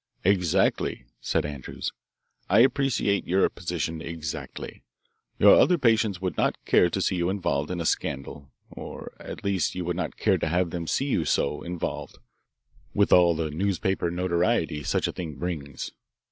"Exactly," said Andrews. "I appreciate your position exactly. Your other patients would not care to see you involved in a scandal or at least you would not care to have them see you so involved, with all the newspaper notoriety such a thing brings."